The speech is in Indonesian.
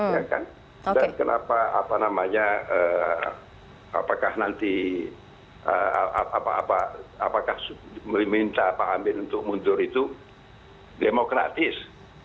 dan kenapa apa namanya apakah nanti apakah meminta pak amin untuk mundur itu demokratis